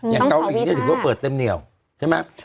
อย่างเกาหลีเนี่ยถือว่าเปิดเต็มเหนียวใช่ไหม